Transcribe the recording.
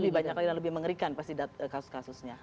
lebih banyak lagi yang lebih mengerikan pasti kasus kasusnya